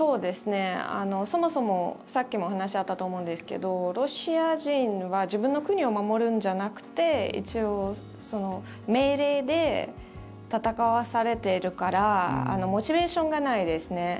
そもそも、さっきもお話があったと思うんですけどロシア人は自分の国を守るんじゃなくて一応、命令で戦わされているからモチベーションがないですね。